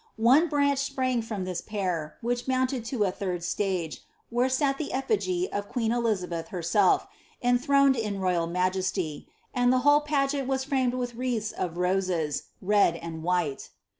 One branch ipiang from this pair, which mounted to a third stage, where sat the efigy of Queen Elizabeth herself, enthroned in royal majesty ; and the whole pageant was framed with wreaths of roses, red and white."